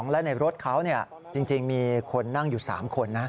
และในรถเขาจริงมีคนนั่งอยู่๓คนนะ